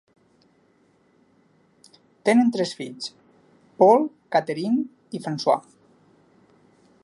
Tenen tres fills: Paul, Catherine i Francois.